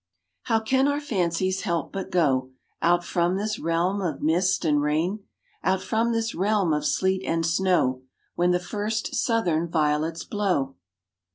How can our fancies help but go Out from this realm of mist and rain, Out from this realm of sleet and snow, When the first Southern violets blow?